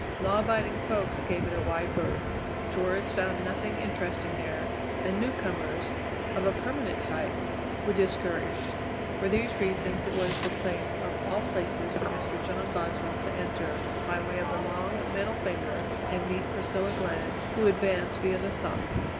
Law abiding folks gave it a wide berth; tourists found nothing interesting there, and newcomers, of a permanent type, were discouraged. For these reasons it was the place of all places for Mr. John Boswell to enter, by way of the long, middle finger, and meet Priscilla Glenn, who advanced via the thumb.